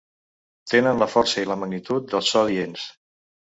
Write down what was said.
Tenen la força i la magnitud de so adients.